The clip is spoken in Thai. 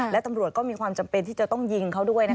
และตำรวจก็มีความจำเป็นที่จะต้องยิงเขาด้วย